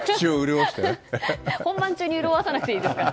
本番中に潤おさなくていいですから。